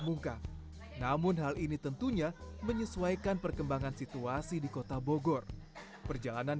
mungka namun hal ini tentunya menyesuaikan perkembangan situasi di kota bogor perjalanan